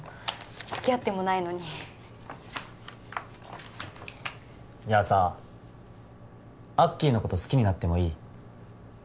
つきあってもないのにじゃあさアッキーのこと好きになってもいい？